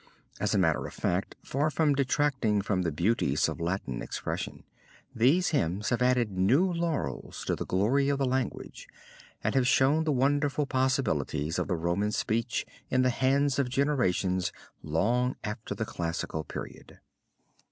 As a matter of fact, far from detracting from the beauties of Latin expression, these hymns have added new laurels to the glory of the language and have shown the wonderful possibilities of the Roman speech in the hands of generations long after the classical period.